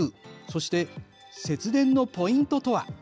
そして節電のポイントとは。